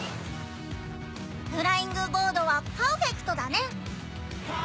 フライングボードはパウフェクトだね！